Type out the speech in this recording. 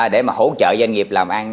để mà hỗ trợ doanh nghiệp làm ăn